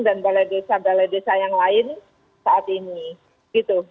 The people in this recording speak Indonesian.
dan balai desa balai desa yang lain saat ini gitu